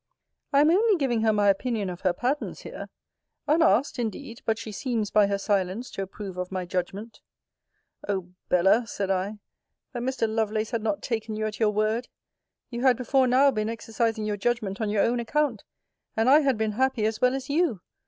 I am only giving her my opinion of her patterns, here. Unasked indeed; but she seems, by her silence, to approve of my judgment. O Bella! said I, that Mr. Lovelace had not taken you at your word! You had before now been exercising your judgment on your own account: and I had been happy as well as you!